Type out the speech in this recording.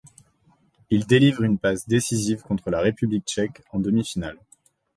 Il délivre une passe décisive contre la République tchèque en demi-finale.